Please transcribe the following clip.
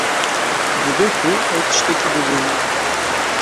Dibe ku ew tiştekî bibînin.